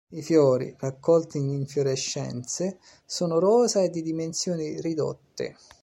I fiori, raccolti in infiorescenze, sono rosa e di dimensioni ridotte.